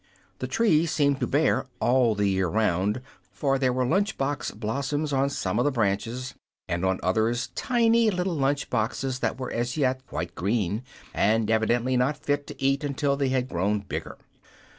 This tree seemed to bear all the year around, for there were lunch box blossoms on some of the branches, and on others tiny little lunch boxes that were as yet quite green, and evidently not fit to eat until they had grown bigger.